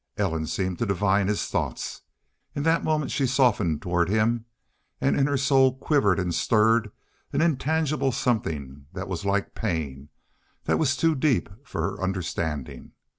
Ellen seemed to divine his thoughts. In that moment she softened toward him, and in her soul quivered and stirred an intangible something that was like pain, that was too deep for her understanding.